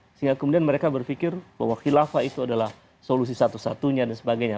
sehingga kemudian mereka berpikir bahwa khilafah itu adalah solusi satu satunya dan sebagainya